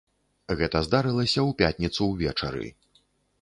Гэта здарылася ў пятніцу ўвечары.